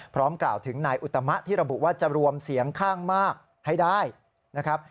พร้อมกล่าวถึงนายอุตมะที่ระบุว่าจะรวมเสียงข้างมากให้ได้นะครับ